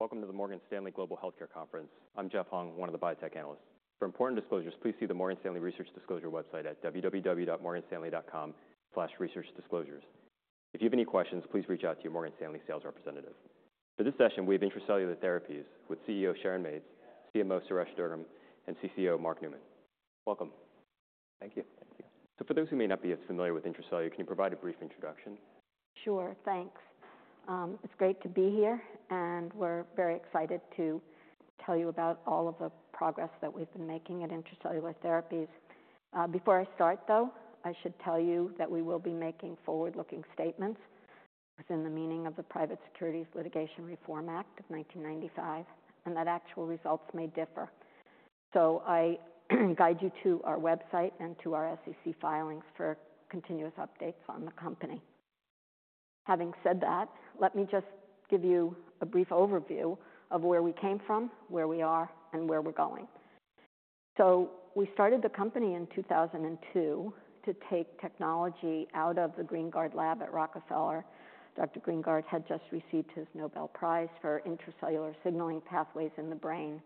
Welcome to the Morgan Stanley Global Healthcare Conference. I'm Jeff Hung, one of the biotech analysts. For important disclosures, please see the Morgan Stanley Research Disclosure website at www.morganstanley.com/researchdisclosures. If you have any questions, please reach out to your Morgan Stanley sales representative. For this session, we have Intra-Cellular Therapies with CEO Sharon Mates, CMO Suresh Durgam, and CCO Mark Newman. Welcome. Thank you. Thank you. So for those who may not be as familiar with Intra-Cellular, can you provide a brief introduction? Sure. Thanks. It's great to be here, and we're very excited to tell you about all of the progress that we've been making at Intra-Cellular Therapies. Before I start, though, I should tell you that we will be making forward-looking statements within the meaning of the Private Securities Litigation Reform Act of 1995, and that actual results may differ. So I guide you to our website and to our SEC filings for continuous updates on the company. Having said that, let me just give you a brief overview of where we came from, where we are, and where we're going. So we started the company in 2002 to take technology out of the Greengard lab at Rockefeller. Dr. Greengard had just received his Nobel Prize for intracellular signaling pathways in the brain.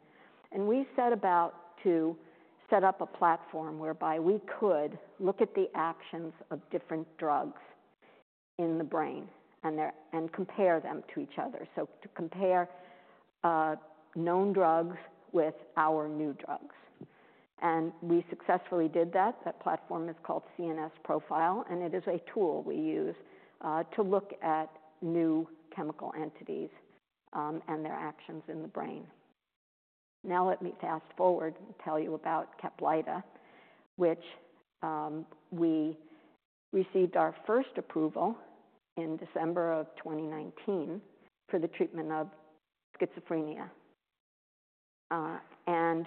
And we set about to set up a platform whereby we could look at the actions of different drugs in the brain and compare them to each other. So to compare known drugs with our new drugs. And we successfully did that. That platform is called CNS Profile, and it is a tool we use to look at new chemical entities and their actions in the brain. Now, let me fast forward and tell you about CAPLYTA, which we received our first approval in December of 2019 for the treatment of schizophrenia. And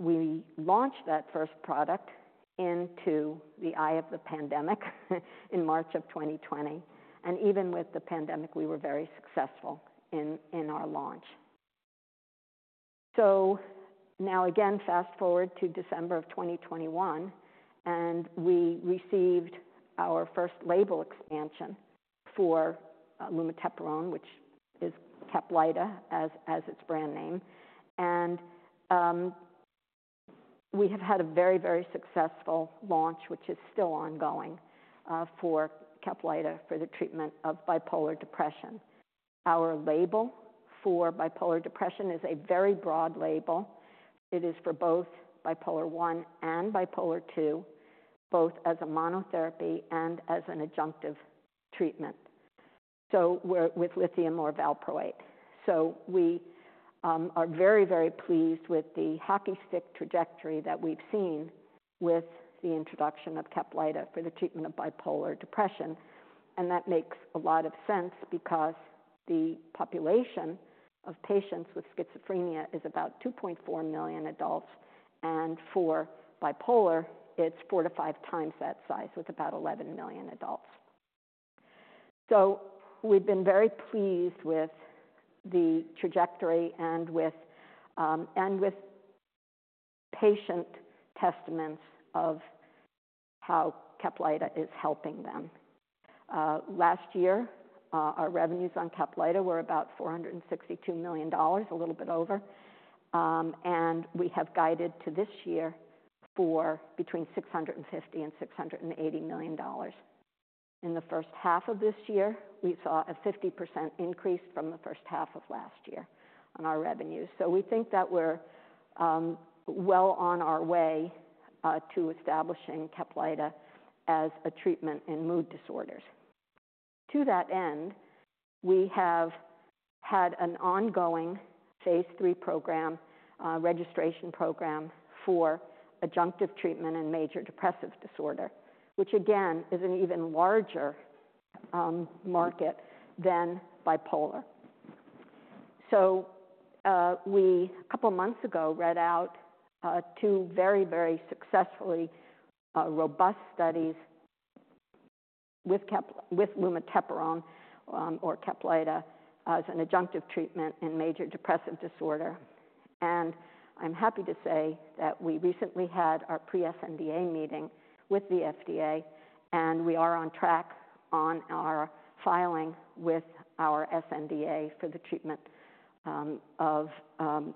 we launched that first product into the eye of the pandemic in March of 2020, and even with the pandemic, we were very successful in our launch. So now again, fast-forward to December of 2021, and we received our first label expansion for lumateperone, which is CAPLYTA, as its brand name. And we have had a very, very successful launch, which is still ongoing, for CAPLYTA for the treatment of bipolar depression. Our label for bipolar depression is a very broad label. It is for both Bipolar I and Bipolar II, both as a monotherapy and as an adjunctive treatment, so, with lithium or valproate. So we are very, very pleased with the hockey stick trajectory that we've seen with the introduction of CAPLYTA for the treatment of bipolar depression, and that makes a lot of sense because the population of patients with schizophrenia is about 2.4 million adults, and for bipolar, it's 4-5 times that size, with about 11 million adults. We've been very pleased with the trajectory and with patient testaments of how CAPLYTA is helping them. Last year, our revenues on CAPLYTA were about $462 million, a little bit over. And we have guided to this year for between $650 million and $680 million. In the first half of this year, we saw a 50% increase from the first half of last year on our revenues. We think that we're well on our way to establishing CAPLYTA as a treatment in mood disorders. To that end, we have had an ongoing phase III program, registration program for adjunctive treatment in major depressive disorder, which again is an even larger market than bipolar. So, we, a couple of months ago, read out two very, very successful robust studies with lumateperone, or CAPLYTA, as an adjunctive treatment in major depressive disorder. And I'm happy to say that we recently had our pre-sNDA meeting with the FDA, and we are on track on our filing with our sNDA for the treatment of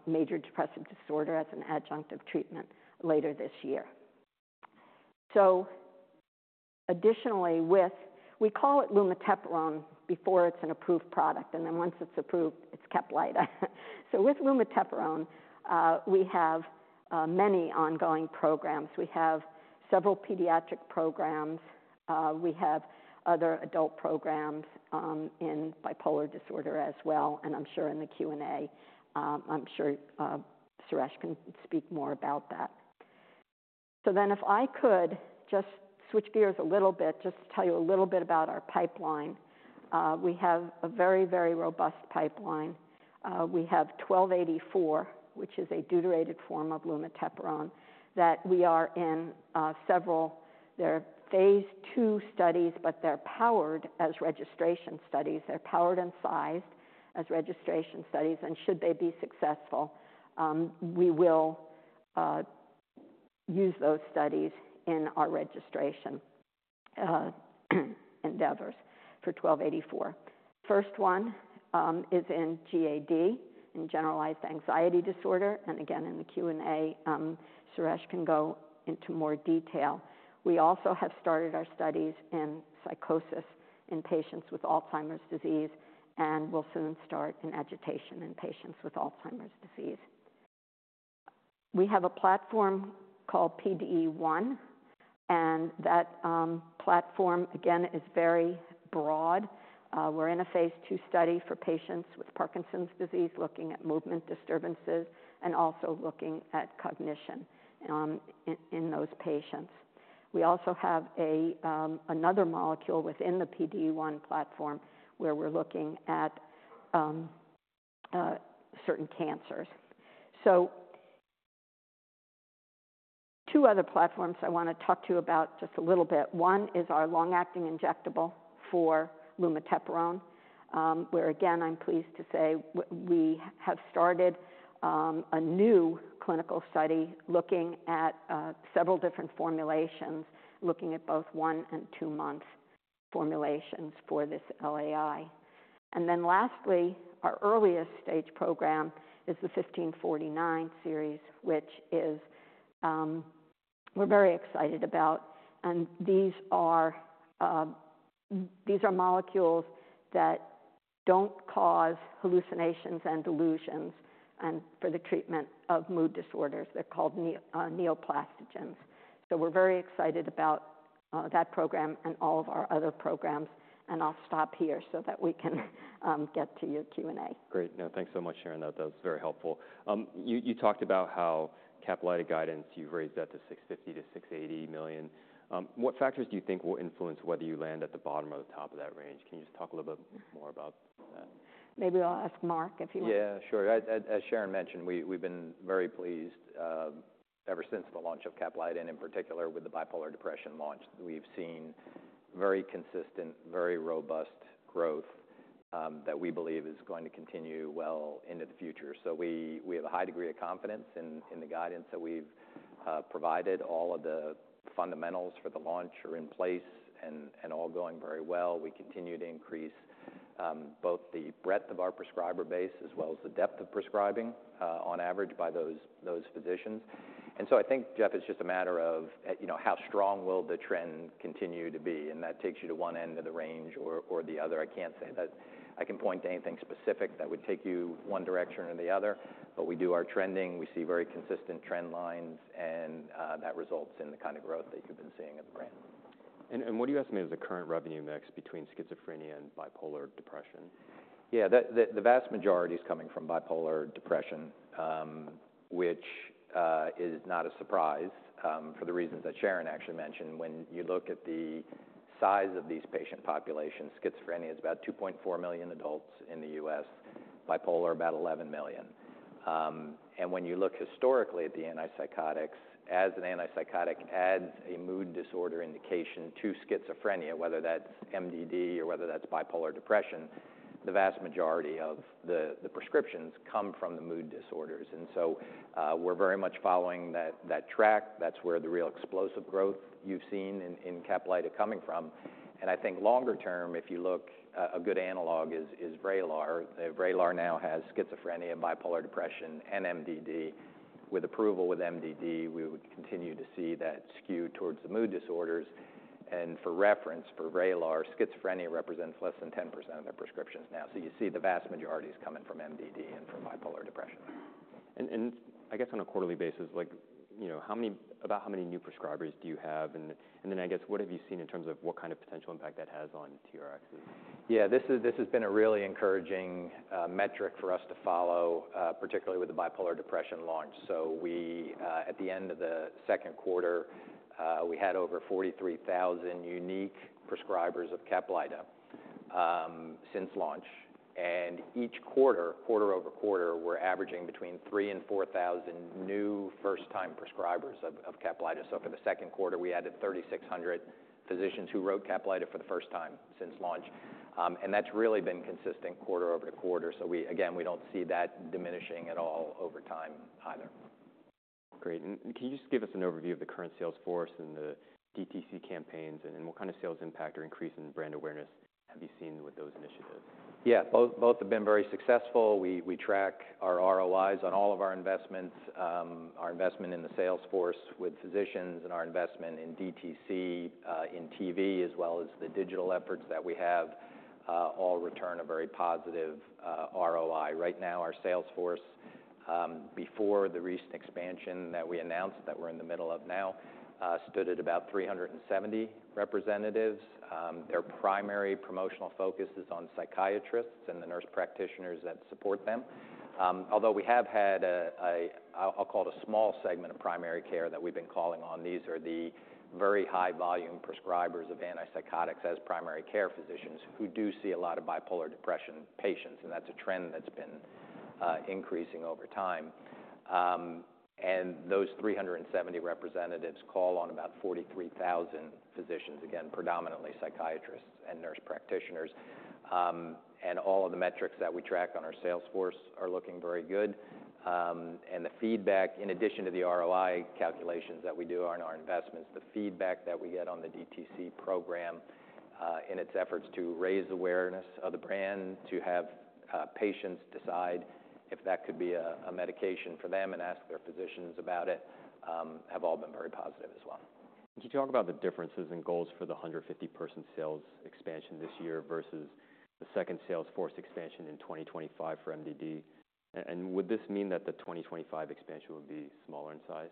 major depressive disorder as an adjunctive treatment later this year. So additionally, we call it lumateperone before it's an approved product, and then once it's approved, it's CAPLYTA. So with lumateperone, we have many ongoing programs. We have several pediatric programs. We have other adult programs in bipolar disorder as well, and I'm sure in the Q&A, Suresh can speak more about that. So then, if I could just switch gears a little bit, just to tell you a little bit about our pipeline. We have a very, very robust pipeline. We have ITI-1284, which is a deuterated form of lumateperone, that we are in several phase II studies, but they're powered as registration studies. They're powered and sized as registration studies, and should they be successful, we will use those studies in our registration endeavors for ITI-1284. First one is in GAD, in generalized anxiety disorder, and again, in the Q&A, Suresh can go into more detail. We also have started our studies in psychosis, in patients with Alzheimer's disease, and we'll soon start in agitation in patients with Alzheimer's disease. We have a platform called PDE1, and that platform, again, is very broad. We're in a phase II study for patients with Parkinson's disease, looking at movement disturbances and also looking at cognition in those patients. We also have another molecule within PDE1 platform, where we're looking at certain cancers. So two other platforms I want to talk to you about just a little bit. One is our long-acting injectable for lumateperone, where again, I'm pleased to say we have started a new clinical study looking at several different formulations, looking at both one- and two-month formulations for this LAI. And then lastly, our earliest stage program is the ITI-1549 series, which is we're very excited about, and these are molecules that don't cause hallucinations and delusions, and for the treatment of mood disorders. They're called neuroplastogens. So we're very excited about that program and all of our other programs, and I'll stop here so that we can get to your Q&A. Great. No, thanks so much, Sharon. That, that was very helpful. You talked about how CAPLYTA guidance, you've raised that to $650 million-$680 million. What factors do you think will influence whether you land at the bottom or the top of that range? Can you just talk a little bit more about that? Maybe I'll ask Mark if he- Yeah, sure. As Sharon mentioned, we've been very pleased ever since the launch of CAPLYTA, and in particular, with the bipolar depression launch. We've seen very consistent, very robust growth that we believe is going to continue well into the future. So we have a high degree of confidence in the guidance that we've provided. All of the fundamentals for the launch are in place and all going very well. We continue to increase both the breadth of our prescriber base, as well as the depth of prescribing on average by those physicians. And so I think, Jeff, it's just a matter of, you know, how strong will the trend continue to be, and that takes you to one end of the range or the other. I can't say that I can point to anything specific that would take you one direction or the other, but we do our trending. We see very consistent trend lines, and that results in the kind of growth that you've been seeing at the brand. What do you estimate is the current revenue mix between schizophrenia and bipolar depression? Yeah, the vast majority is coming from bipolar depression, which is not a surprise, for the reasons that Sharon actually mentioned. When you look at the size of these patient populations, schizophrenia is about 2.4 million adults in the U.S., bipolar, about 11 million. And when you look historically at the antipsychotics, as an antipsychotic adds a mood disorder indication to schizophrenia, whether that's MDD or whether that's bipolar depression, the vast majority of the prescriptions come from the mood disorders. And so, we're very much following that track. That's where the real explosive growth you've seen in CAPLYTA are coming from. And I think longer term, if you look, a good analog is VRAYLAR. VRAYLAR now has schizophrenia, bipolar depression, and MDD. With approval with MDD, we would continue to see that skew towards the mood disorders. And for reference, for VRAYLAR, schizophrenia represents less than 10% of their prescriptions now. So you see the vast majority is coming from MDD and from bipolar depression. And, I guess on a quarterly basis, like, you know, how many-- about how many new prescribers do you have? And then, I guess, what have you seen in terms of what kind of potential impact that has on TRxs? Yeah, this is, this has been a really encouraging metric for us to follow, particularly with the bipolar depression launch. So at the end of the second quarter, we had over 43,000 unique prescribers of CAPLYTA since launch. And each quarter, quarter over quarter, we're averaging between 3,000 and 4,000 new first-time prescribers of CAPLYTA. So for the second quarter, we added 3,600 physicians who wrote CAPLYTA for the first time since launch. And that's really been consistent quarter-over-quarter. So again, we don't see that diminishing at all over time either. Great. And can you just give us an overview of the current sales force and the DTC campaigns, and what kind of sales impact or increase in brand awareness have you seen with those initiatives? Yeah, both have been very successful. We track our ROIs on all of our investments. Our investment in the sales force with physicians and our investment in DTC, in TV, as well as the digital efforts that we have, all return a very positive ROI. Right now, our sales force, before the recent expansion that we announced, that we're in the middle of now, stood at about 370 representatives. Their primary promotional focus is on psychiatrists and the nurse practitioners that support them. Although we have had a small segment of primary care that we've been calling on. These are the very high volume prescribers of antipsychotics as primary care physicians, who do see a lot of bipolar depression patients, and that's a trend that's been increasing over time. And those 370 representatives call on about 43,000 physicians, again, predominantly psychiatrists and nurse practitioners. And all of the metrics that we track on our sales force are looking very good. And the feedback, in addition to the ROI calculations that we do on our investments, the feedback that we get on the DTC program in its efforts to raise awareness of the brand, to have patients decide if that could be a medication for them and ask their physicians about it, have all been very positive as well. Can you talk about the differences in goals for the 150-person sales expansion this year versus the second sales force expansion in 2025 for MDD? And would this mean that the 2025 expansion would be smaller in size?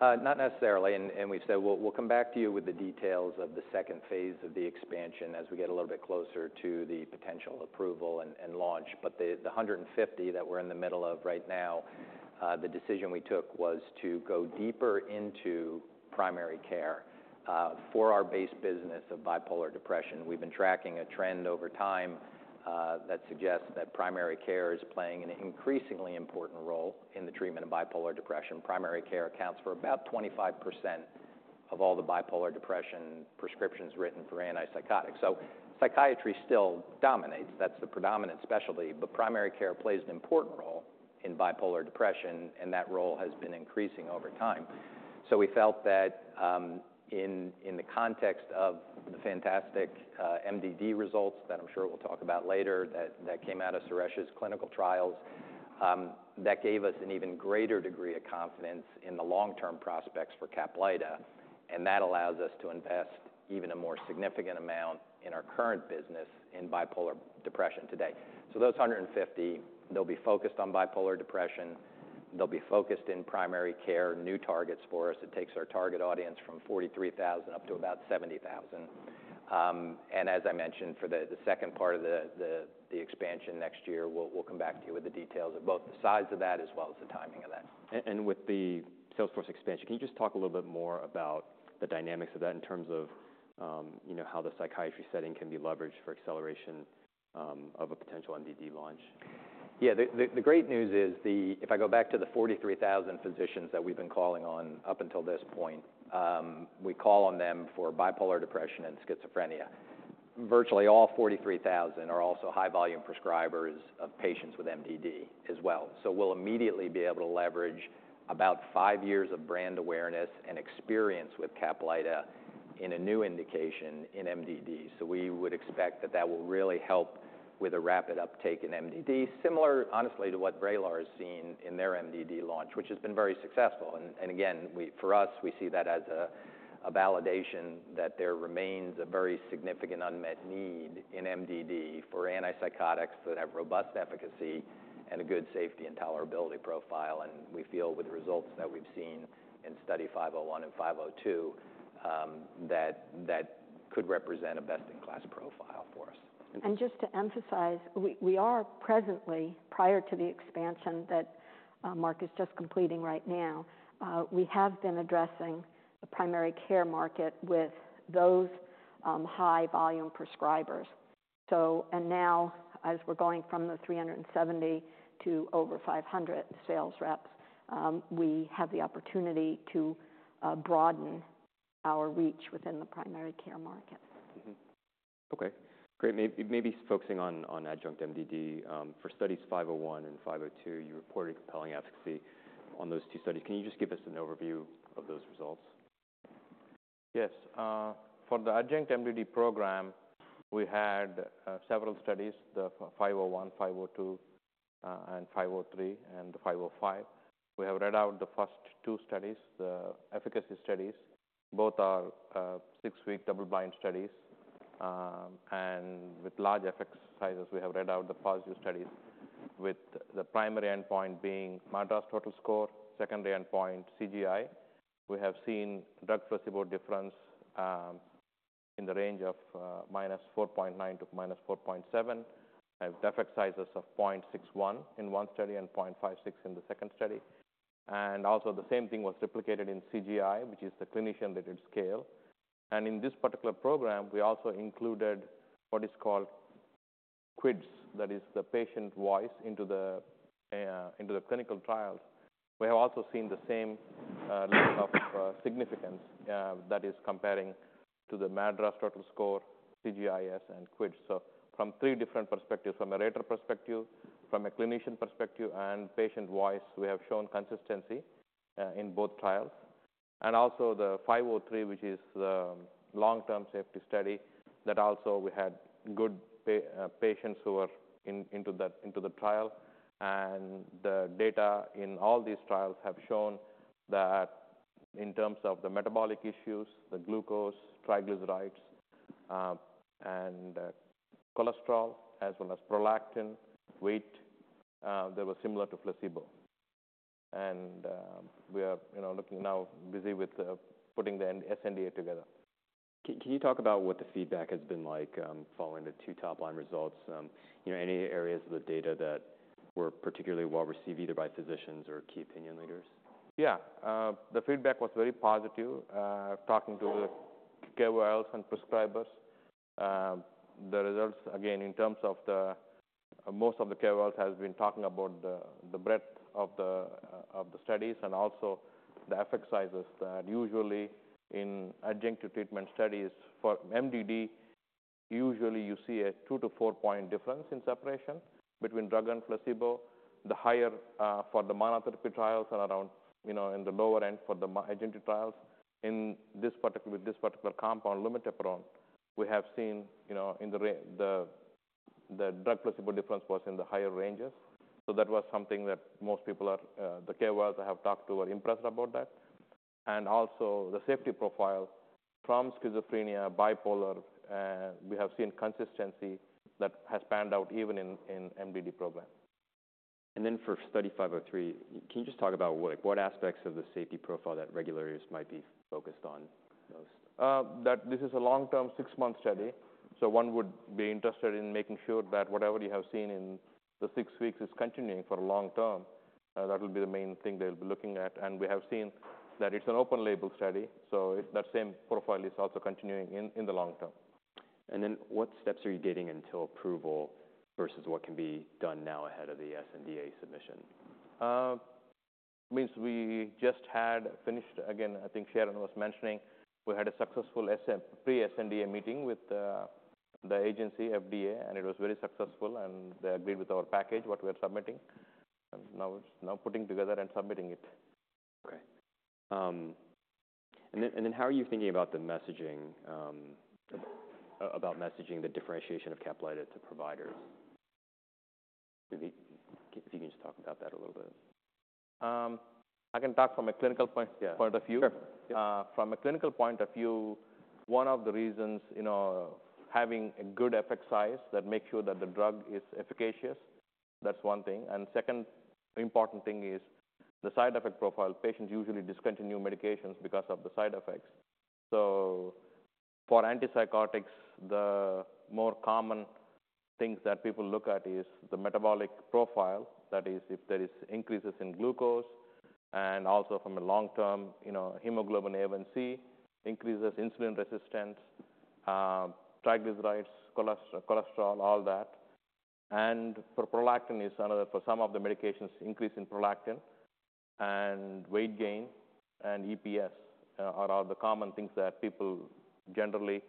Not necessarily, and we've said we'll come back to you with the details of the second phase of the expansion as we get a little bit closer to the potential approval and launch, but the 150 that we're in the middle of right now, the decision we took was to go deeper into primary care for our base business of bipolar depression. We've been tracking a trend over time that suggests that primary care is playing an increasingly important role in the treatment of bipolar depression. Primary care accounts for about 25% of all the bipolar depression prescriptions written for antipsychotics, so psychiatry still dominates. That's the predominant specialty, but primary care plays an important role in bipolar depression, and that role has been increasing over time. So we felt that, in the context of the fantastic MDD results, that I'm sure we'll talk about later, that came out of Suresh's clinical trials, that gave us an even greater degree of confidence in the long-term prospects for CAPLYTA, and that allows us to invest even a more significant amount in our current business in bipolar depression today. So those 150, they'll be focused on bipolar depression. They'll be focused in primary care, new targets for us. It takes our target audience from 43,000 up to about 70,000. And as I mentioned, for the second part of the expansion next year, we'll come back to you with the details of both the size of that as well as the timing of that. And with the sales force expansion, can you just talk a little bit more about the dynamics of that in terms of, you know, how the psychiatry setting can be leveraged for acceleration, of a potential MDD launch? Yeah. The great news is. If I go back to the 43,000 physicians that we've been calling on up until this point, we call on them for bipolar depression and schizophrenia. Virtually, all 43,000 are also high-volume prescribers of patients with MDD as well. So we'll immediately be able to leverage about five years of brand awareness and experience with CAPLYTA in a new indication in MDD. So we would expect that will really help with a rapid uptake in MDD. Similar, honestly, to what VRAYLAR has seen in their MDD launch, which has been very successful. And again, for us, we see that as a validation that there remains a very significant unmet need in MDD for antipsychotics that have robust efficacy and a good safety and tolerability profile. We feel with the results that we've seen in Study 501 and 502, that that could represent a best-in-class profile for us. Just to emphasize, we are presently, prior to the expansion that Mark is just completing right now, we have been addressing the primary care market with those high-volume prescribers. So. Now, as we're going from 370 to over 500 sales reps, we have the opportunity to broaden our reach within the primary care market. Okay, great. Maybe focusing on adjunct MDD for Studies 501 and 502, you reported compelling efficacy on those two studies. Can you just give us an overview of those results? Yes. For the adjunct MDD program, we had several studies, the 501, 502, and 503, and 505. We have read out the first two studies, the efficacy studies. Both are 6-week double-blind studies, and with large effect sizes. We have read out the positive studies with the primary endpoint being MADRS total score, secondary endpoint, CGI. We have seen drug placebo difference, in the range of -4.9 to -4.7, and effect sizes of 0.61 in one study and 0.56 in the second study, and also, the same thing was replicated in CGI, which is the clinician-rated scale, and in this particular program, we also included what is called QIDS. That is the patient voice into the clinical trials. We have also seen the same level of significance that is comparing to the MADRS total score, CGI-S, and QIDS. So from three different perspectives, from a rater perspective, from a clinician perspective, and patient voice, we have shown consistency in both trials. And also the 503, which is the long-term safety study, that also we had good patients who were into the trial. And the data in all these trials have shown that in terms of the metabolic issues, the glucose, triglycerides, and cholesterol, as well as prolactin, weight, they were similar to placebo. And we are, you know, looking now, busy with putting the sNDA together. Can you talk about what the feedback has been like, following the two top-line results? You know, any areas of the data that were particularly well-received, either by physicians or key opinion leaders? Yeah. The feedback was very positive. Talking to the KOLs and prescribers, the results, again, in terms of the... Most of the KOLs has been talking about the breadth of the studies and also the effect sizes that usually in adjunctive treatment studies for MDD usually you see a two to four point difference in separation between drug and placebo. The higher for the monotherapy trials are around, you know, in the lower end for the adjunct trials. In this particular, with this particular compound, lumateperone, we have seen, you know, the drug placebo difference was in the higher ranges. So that was something that most people are, the KOLs I have talked to are impressed about that. And also, the safety profile from schizophrenia, bipolar, we have seen consistency that has panned out even in MDD program. Then for Study 503, can you just talk about what aspects of the safety profile that regulators might be focused on most? That this is a long-term, 6-month study, so one would be interested in making sure that whatever you have seen in the 6 weeks is continuing for long term. That will be the main thing they'll be looking at, and we have seen that it's an open-label study, so if that same profile is also continuing in the long term. And then what steps are you getting until approval versus what can be done now ahead of the sNDA submission? Again, I think Sharon was mentioning, we had a successful pre-sNDA meeting with the agency, FDA, and it was very successful, and they agreed with our package, what we are submitting. And now putting together and submitting it. Okay. And then how are you thinking about messaging the differentiation of CAPLYTA to providers? If you can just talk about that a little bit. I can talk from a clinical point of view. From a clinical point of view, one of the reasons, you know, having a good effect size that makes sure that the drug is efficacious, that's one thing. And second important thing is the side effect profile. Patients usually discontinue medications because of the side effects. So for antipsychotics, the more common things that people look at is the metabolic profile. That is, if there is increases in glucose, and also from a long-term, you know, hemoglobin A1c, increases insulin resistance, triglycerides, cholesterol, all that. And for prolactin is another, for some of the medications, increase in prolactin and weight gain and EPS are all the common things that people generally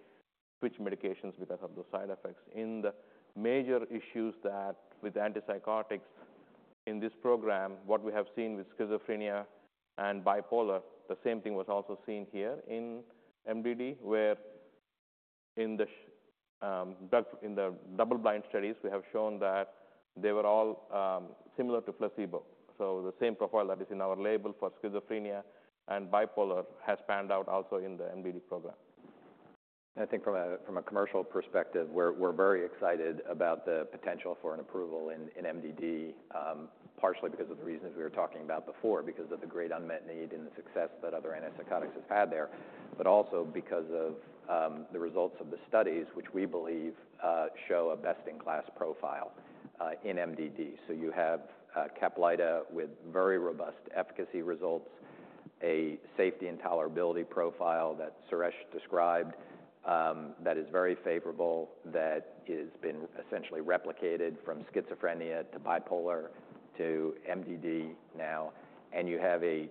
switch medications because of the side effects. In the major issues that with antipsychotics in this program, what we have seen with schizophrenia and bipolar, the same thing was also seen here in MDD, where in the drug, in the double-blind studies, we have shown that they were all similar to placebo. So the same profile that is in our label for schizophrenia and bipolar has panned out also in the MDD program. I think from a commercial perspective, we're very excited about the potential for an approval in MDD, partially because of the reasons we were talking about before, because of the great unmet need and the success that other antipsychotics have had there. But also because of the results of the studies, which we believe show a best-in-class profile in MDD. So you have CAPLYTA with very robust efficacy results, a safety and tolerability profile that Suresh described, that is very favorable, that it's been essentially replicated from schizophrenia to bipolar to MDD now. And you have a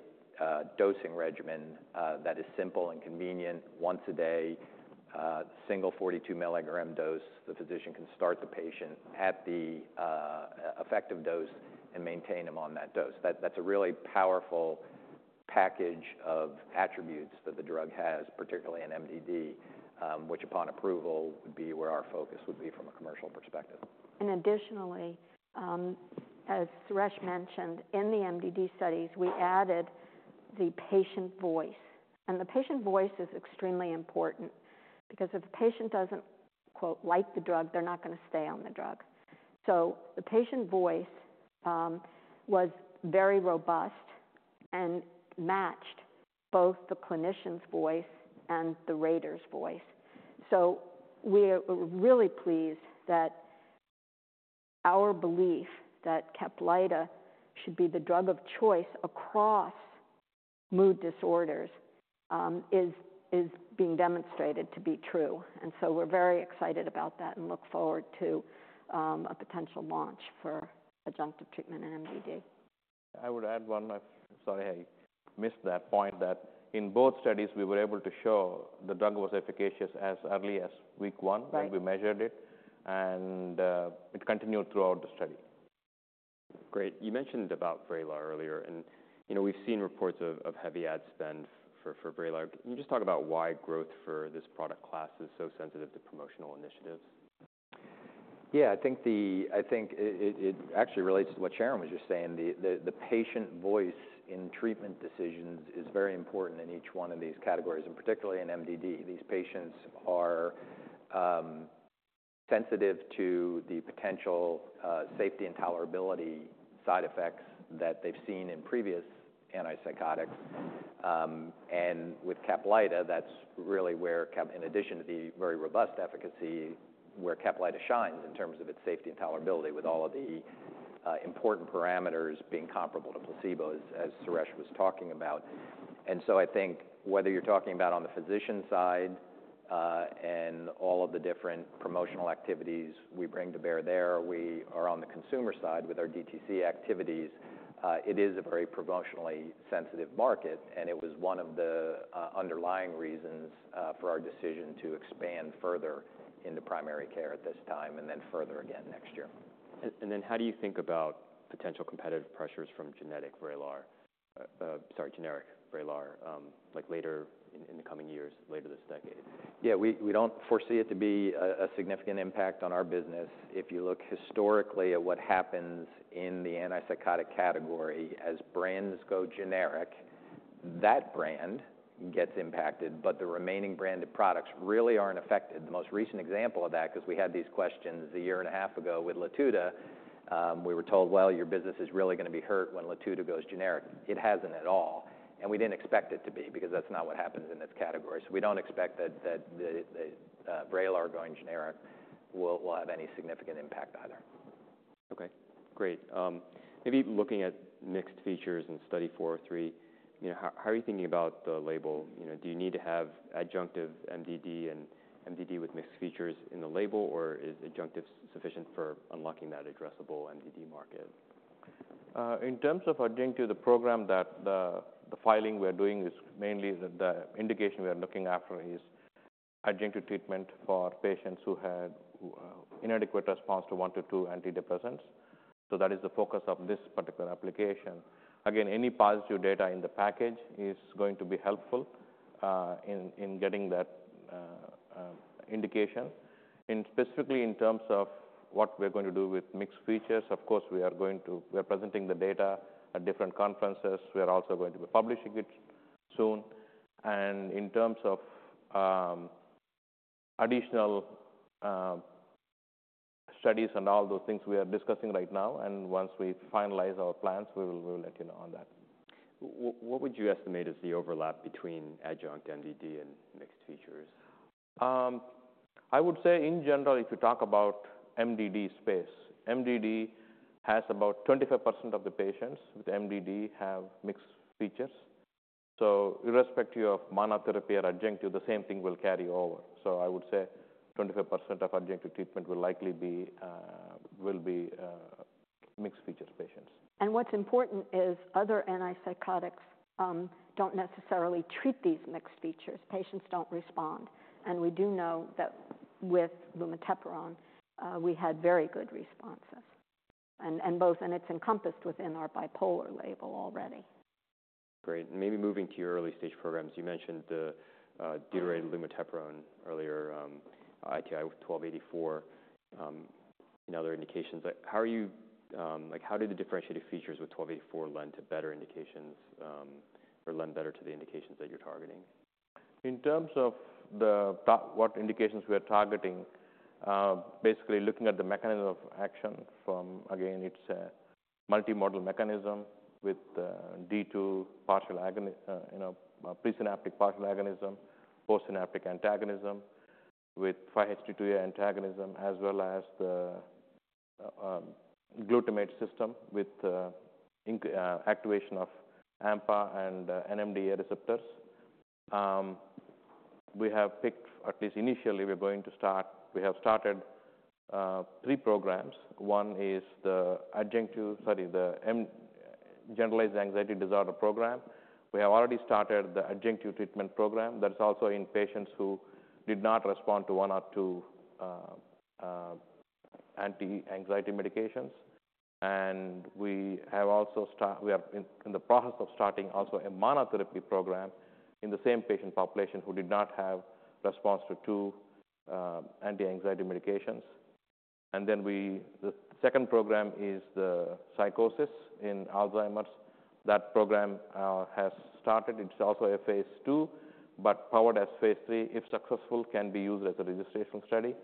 dosing regimen that is simple and convenient, once a day, single 42 mg dose. The physician can start the patient at the effective dose and maintain them on that dose. That, that's a really powerful package of attributes that the drug has, particularly in MDD, which upon approval, would be where our focus would be from a commercial perspective. And additionally, as Suresh mentioned, in the MDD studies, we added the patient voice. And the patient voice is extremely important because if the patient doesn't, "like the drug," they're not gonna stay on the drug. So the patient voice was very robust and matched both the clinician's voice and the rater's voice. So we're really pleased that our belief that CAPLYTA should be the drug of choice across mood disorders is being demonstrated to be true. And so we're very excited about that and look forward to a potential launch for adjunctive treatment in MDD. I would add one. Sorry, I missed that point, that in both studies, we were able to show the drug was efficacious as early as week one, when we measured it, and it continued throughout the study. Great. You mentioned about VRAYLAR earlier, and, you know, we've seen reports of heavy ad spend for VRAYLAR. Can you just talk about why growth for this product class is so sensitive to promotional initiatives? Yeah, I think it actually relates to what Sharon was just saying. The patient voice in treatment decisions is very important in each one of these categories, and particularly in MDD. These patients are sensitive to the potential safety and tolerability side effects that they've seen in previous antipsychotics. And with CAPLYTA, that's really where CAPLYTA shines in terms of its safety and tolerability, with all of the important parameters being comparable to placebo, as Suresh was talking about. And so I think whether you're talking about on the physician side and all of the different promotional activities we bring to bear there. We are on the consumer side with our DTC activities. It is a very promotionally sensitive market, and it was one of the underlying reasons for our decision to expand further into primary care at this time, and then further again next year. How do you think about potential competitive pressures from genetic VRAYLAR? Sorry, generic VRAYLAR, like later in the coming years, later this decade? Yeah, we don't foresee it to be a significant impact on our business. If you look historically at what happens in the antipsychotic category, as brands go generic, that brand gets impacted, but the remaining branded products really aren't affected. The most recent example of that, 'cause we had these questions a year and a half ago with LATUDA, we were told: "Well, your business is really gonna be hurt when LATUDA goes generic." It hasn't at all, and we didn't expect it to be because that's not what happens in this category. So we don't expect that the VRAYLAR going generic will have any significant impact either. Okay, great. Maybe looking at mixed features in study 43, you know, how are you thinking about the label? You know, do you need to have adjunctive MDD and MDD with mixed features in the label, or is adjunctive sufficient for unlocking that addressable MDD market? In terms of adjunctive, the program that the filing we are doing is mainly the indication we are looking after is adjunctive treatment for patients who had inadequate response to one-to-two antidepressants. So that is the focus of this particular application. Again, any positive data in the package is going to be helpful in getting that indication. And specifically in terms of what we're going to do with mixed features, of course, we are going to. We are presenting the data at different conferences. We are also going to be publishing it soon. And in terms of additional studies and all those things, we are discussing right now, and once we finalize our plans, we will let you know on that. What would you estimate is the overlap between adjunct MDD and mixed features? I would say in general, if you talk about MDD space, MDD has about 25% of the patients with MDD have mixed features. So irrespective of monotherapy or adjunctive, the same thing will carry over. So I would say 25% of adjunctive treatment will likely be mixed features patients. What's important is other antipsychotics don't necessarily treat these mixed features. Patients don't respond. We do know that with lumateperone we had very good responses, and it's encompassed within our Bipolar label already. Great. Maybe moving to your early stage programs, you mentioned deuterated lumateperone earlier, ITI-ITI-1284, and other indications. Like, how do the differentiated features with ITI-1284 lend to better indications, or lend better to the indications that you're targeting? In terms of the top, what indications we are targeting, basically looking at the mechanism of action from, again, it's a multimodal mechanism with a D2 partial agonist, you know, presynaptic partial agonism, postsynaptic antagonism, with 5-HT2A antagonism, as well as the glutamate system with the indirect activation of AMPA and NMDA receptors. We have picked, at least initially, we have started three programs. One is the adjunctive, sorry, the generalized anxiety disorder program. We have already started the adjunctive treatment program. That's also in patients who did not respond to one or two anti-anxiety medications. And we are in the process of starting also a monotherapy program in the same patient population who did not have response to two anti-anxiety medications. And then the second program is the psychosis in Alzheimer's. That program has started. It's also a phase II, but powered as phase III, if successful, can be used as a registration study.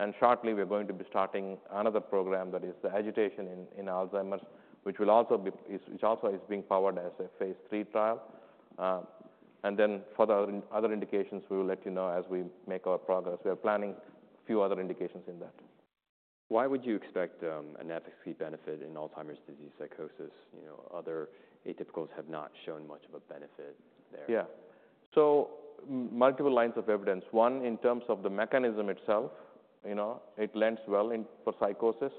And shortly, we are going to be starting another program that is the agitation in Alzheimer's, which also is being powered as a phase III trial. And then for the other indications, we will let you know as we make our progress. We are planning a few other indications in that. Why would you expect an efficacy benefit in Alzheimer's disease psychosis? You know, other atypicals have not shown much of a benefit there. Yeah. So multiple lines of evidence. One, in terms of the mechanism itself, you know, it lends well in, for psychosis.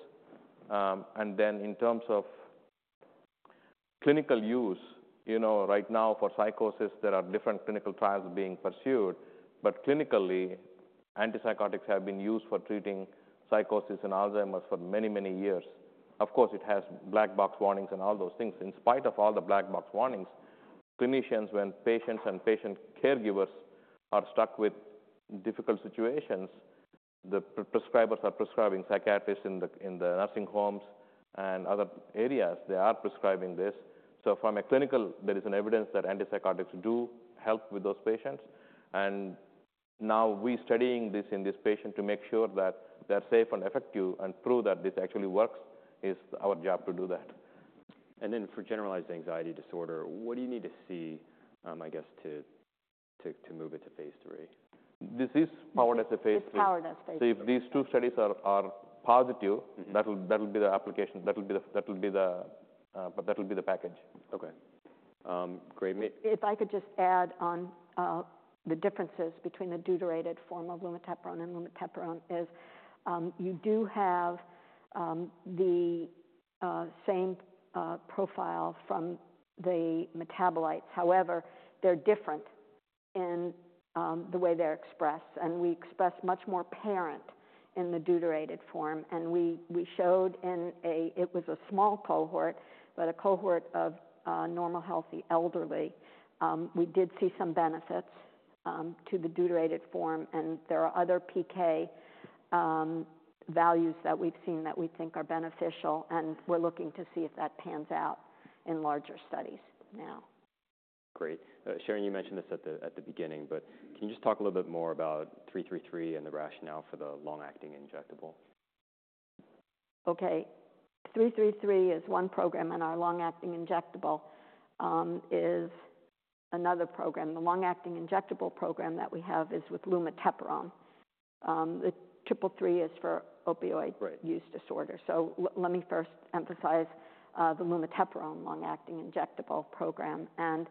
And then in terms of clinical use, you know, right now for psychosis, there are different clinical trials being pursued. But clinically, antipsychotics have been used for treating psychosis in Alzheimer's for many, many years. Of course, it has black box warnings and all those things. In spite of all the black box warnings, clinicians, when patients and patient caregivers are stuck with difficult situations, the prescribers are prescribing psychiatrists in the, in the nursing homes and other areas, they are prescribing this. So from a clinical, there is an evidence that antipsychotics do help with those patients. And now we're studying this in this patient to make sure that they're safe and effective, and prove that this actually works, it's our job to do that. And then for generalized anxiety disorder, what do you need to see, I guess, to move it to phase III? This is powered as a phase III. It's powered as phase III. So if these two studies are positive, that will be the application. That will be the package. Okay. If I could just add on, the differences between the deuterated form of lumateperone and lumateperone is, you do have the same profile from the metabolites. However, they're different in the way they're expressed, and we express much more parent in the deuterated form. And we showed in a small cohort, but a cohort of normal, healthy elderly, we did see some benefits to the deuterated form, and there are other pKa values that we've seen that we think are beneficial, and we're looking to see if that pans out in larger studies now. Great. Sharon, you mentioned this at the beginning, but can you just talk a little bit more about ITI-333 and the rationale for the long-acting injectable? Okay. The ITI-333 is one program, and our long-acting injectable is another program. The long-acting injectable program that we have is with lumateperone. The ITI-333 is for opioid use disorder. Let me first emphasize the lumateperone long-acting injectable program, and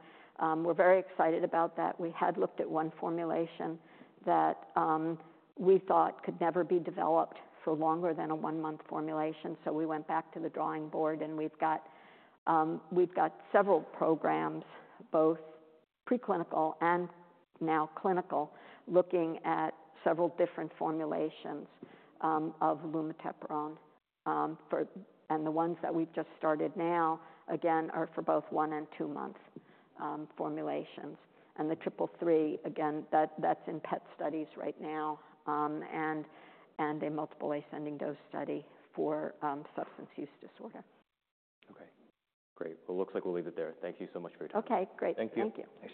we're very excited about that. We had looked at one formulation that we thought could never be developed for longer than a one-month formulation. So we went back to the drawing board, and we've got several programs, both preclinical and now clinical, looking at several different formulations of lumateperone. And the ones that we've just started now, again, are for both one- and two-month formulations. And ITI-333, again, that's in PET studies right now, and a multiple ascending dose study for substance use disorder. Okay, great. Well, looks like we'll leave it there. Thank you so much for your time. Okay, great. Thank you. Thank you.